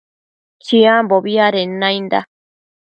Chiambobi adenda nainda